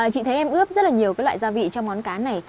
chị thấy em ướp rất là nhiều loại gia vị cho món cá này